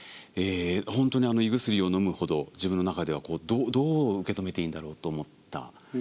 本当に胃薬をのむほど自分の中ではどう受け止めていいんだろうと思った言葉だったんですけれども。